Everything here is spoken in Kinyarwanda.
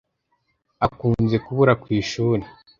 akunze kubura ku ishuri.